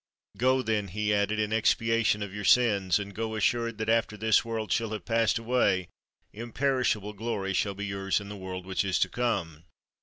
"Go, then," he added, "in expiation of your sins; and go assured, that after this world shall have passed away, imperishable glory shall be yours in the world which is to come."